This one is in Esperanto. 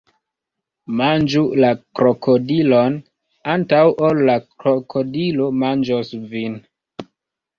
Manĝu la krokodilon, antaŭ ol la krokodilo manĝos vin!